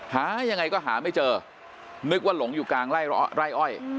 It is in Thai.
หายังไงก็หาไม่เจอนึกว่าหลงอยู่กลางไร่อ้อย